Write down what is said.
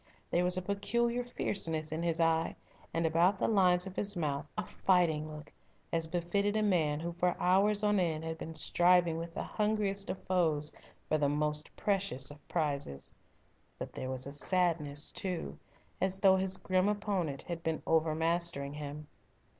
There was a peculiar fierceness in his eye, and about the lines of his mouth, a fighting look as befitted a man who for hours on end had been striving with the hungriest of foes for the most precious of prizes. But there was a sadness too, as though his grim opponent had been overmastering him.